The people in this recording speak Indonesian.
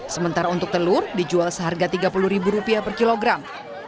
sementara untuk telur dijual seharga rp tiga puluh per kilogram